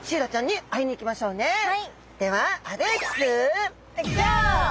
では